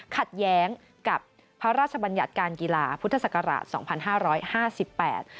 ขัดแย้งกับพระราชบัญญัตการกีฬาพุทธศักราช๒๕๕๘